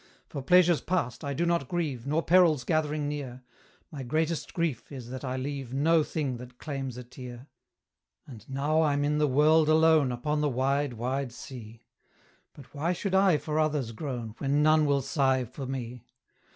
For pleasures past I do not grieve, Nor perils gathering near; My greatest grief is that I leave No thing that claims a tear. And now I'm in the world alone, Upon the wide, wide sea; But why should I for others groan, When none will sigh for me?